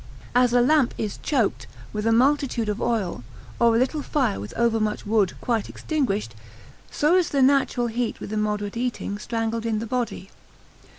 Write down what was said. As a lamp is choked with a multitude of oil, or a little fire with overmuch wood quite extinguished, so is the natural heat with immoderate eating, strangled in the body.